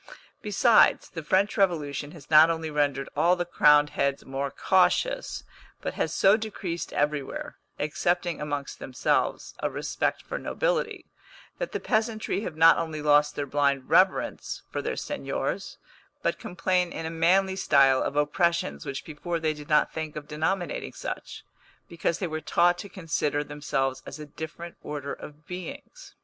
Besides, the French Revolution has not only rendered all the crowned heads more cautious, but has so decreased everywhere (excepting amongst themselves) a respect for nobility, that the peasantry have not only lost their blind reverence for their seigniors, but complain in a manly style of oppressions which before they did not think of denominating such, because they were taught to consider themselves as a different order of beings.